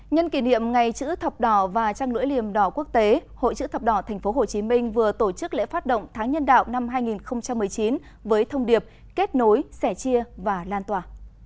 nhân kỷ niệm ngày chữ thọc đỏ và trang nỗi liềm đỏ quốc tế hội chữ thọc đỏ tp hcm vừa tổ chức lễ phát động tháng nhân đạo năm hai nghìn một mươi chín với thông điệp kết nối sẻ chia và lan tòa